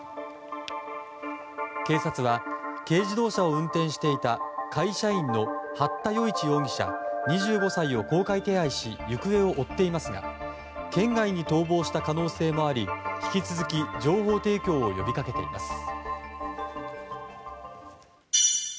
警察は軽自動車を運転していた会社員の八田與一容疑者、２５歳を公開手配し行方を追っていますが県外に逃亡した可能性もあり引き続き情報提供を呼びかけています。